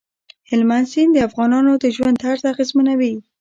هلمند سیند د افغانانو د ژوند طرز اغېزمنوي.